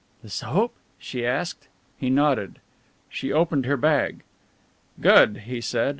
"The soap?" she asked. He nodded. She opened her bag. "Good," he said.